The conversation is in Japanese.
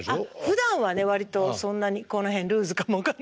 ふだんはね割とそんなにこの辺ルーズかも分かんないけど。